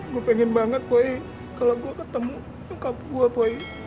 gue pengen banget boy kalau gue ketemu angkab gue boy